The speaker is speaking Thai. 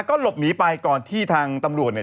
ก็หลบหนีไปก่อนที่ทางตำรวจเนี่ย